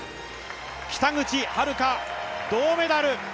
北口榛花、銅メダル。